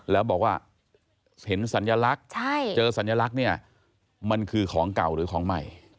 แล้วบอกว่าเห็นสัญลักษณ์เจอสัญลักษณ์เนี่ยมันคือของเก่าหรือของใหม่